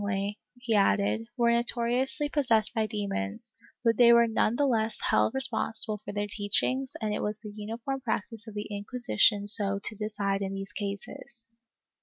350 MISCELLANEOUS BUSINESS [Book VIII he added, were notoriously possessed by demons, but they were none the less held responsible for their teachings and it was the uniform practice of the Inquisition so to decide in tliese cases.